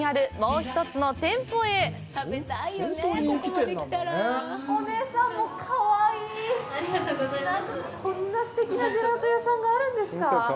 なんか、こんなすてきなジェラート屋さんがあるんですか。